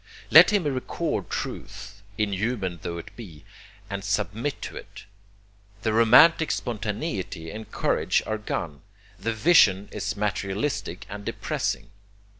Let him record truth, inhuman tho it be, and submit to it! The romantic spontaneity and courage are gone, the vision is materialistic and depressing.